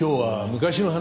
昔の話？